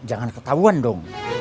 jangan ketahuan dong